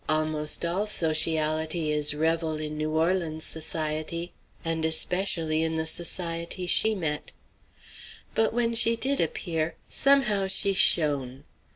Almost all sociality is revel in New Orleans society, and especially in the society she met. But when she did appear, somehow she shone.